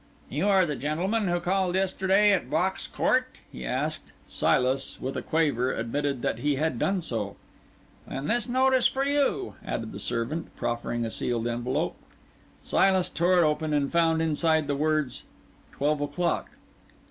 "You are the gentleman who called yesterday at Box Court?" he asked. Silas, with a quaver, admitted that he had done so. "Then this note is for you," added the servant, proffering a sealed envelope. Silas tore it open, and found inside the words: "Twelve o'clock."